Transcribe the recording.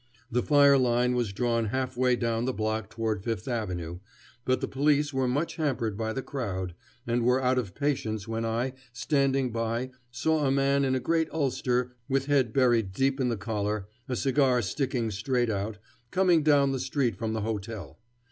The fire line was drawn halfway down the block toward Fifth Avenue, but the police were much hampered by the crowd, and were out of patience when I, standing by, saw a man in a great ulster with head buried deep in the collar, a cigar sticking straight out, coming down the street from the hotel.